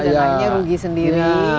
dan hanya rugi sendiri